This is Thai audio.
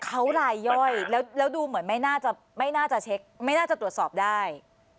เขารายย้อยแล้วดูไม่น่าจะเช็คไม่น่าจะตรวจสอบได้